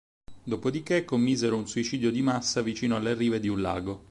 Dopodiché commisero un suicidio di massa vicino alle rive di un lago.